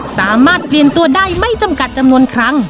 สามารถเปลี่ยนตัวได้ไม่จำกัดจำนวนครั้ง